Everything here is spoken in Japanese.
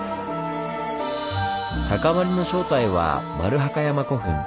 高まりの正体は丸墓山古墳。